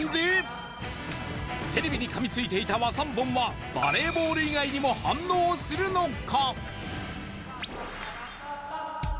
テレビにかみついていた和三盆はバレーボール以外にも反応するのか？